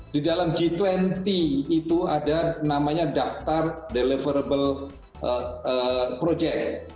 di dalam g dua puluh itu ada namanya daftar deliverable project